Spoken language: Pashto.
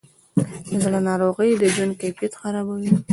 د زړه ناروغۍ د ژوند کیفیت خرابوي.